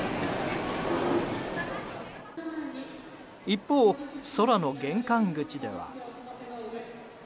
一方、空の玄関口では。